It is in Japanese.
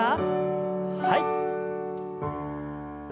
はい。